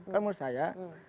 karena menurut saya